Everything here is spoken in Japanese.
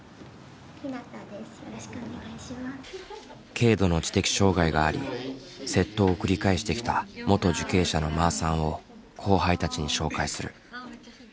軽度の知的障害があり窃盗を繰り返してきた元受刑者のまーさんを後輩たちに紹介する。